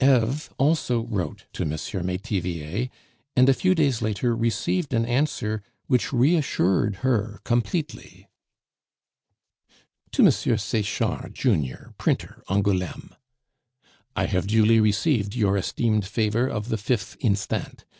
Eve also wrote to M. Metivier, and a few days later received an answer which reassured her completely: To M. Sechard, Junior, Printer, Angouleme. "I have duly received your esteemed favor of the 5th instant.